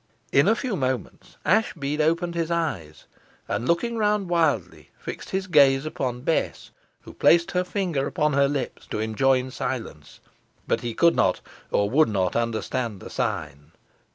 In a few moments Ashbead opened his eyes, and looking round wildly, fixed his gaze upon Bess, who placed her finger upon her lips to enjoin silence, but he could not, or would not, understand the sign.